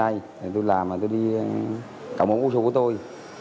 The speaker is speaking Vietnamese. đây tôi làm rồi tôi đi cộng một u số của tôi